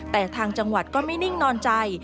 แต่ทางจังหวัดก็ไม่นิ่งนอนใจ